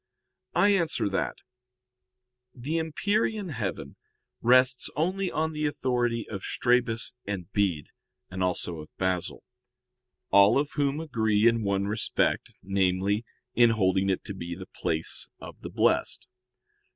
I answer that, The empyrean heaven rests only on the authority of Strabus and Bede, and also of Basil; all of whom agree in one respect, namely, in holding it to be the place of the blessed.